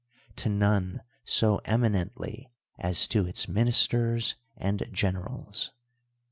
To none so eminently as to its ministers and generals.